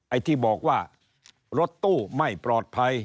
ไอ้ที่บอกว่ารถตู้ไม่ปลอดภัย